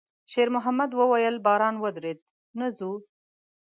شېرمحمد وويل: «باران ودرېد، نه ځو؟»